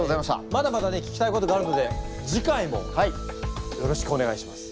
まだまだね聞きたいことがあるので次回もよろしくお願いします。